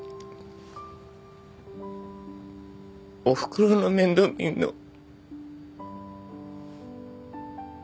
おふくろの面倒見んの。